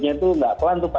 karena berusung di titik